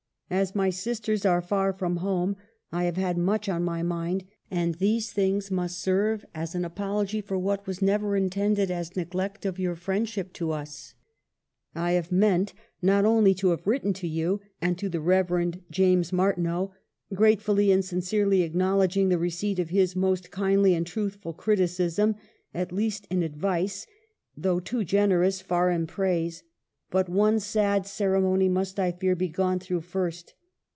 "As my sisters are far from home, I have had much on my mind, and these thiags must serve as an apology for what was never intended as neglect of your friendship to us. " I had meant not only to have written to you, but to the Rev. James Martineau, gratefully and sincerely acknowledging the receipt of his most kindly and truthful criticism — at least in advice, though too generous far in praise — but one sad A RETROSPECT. 135 ceremony must, I fear, be gone through first.